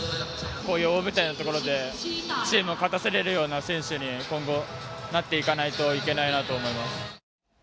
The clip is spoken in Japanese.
こういう大舞台のところでチームを勝たせられるような選手に今後なっていかないといけないなと思います。